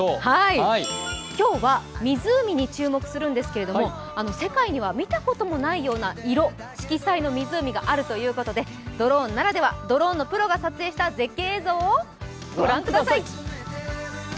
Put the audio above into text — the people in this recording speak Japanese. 今日は湖に注目するんですけど世界には見たこともないような色彩の湖があるということで、ドローンならでは、ドローンのプロが撮影した映像をご覧ください。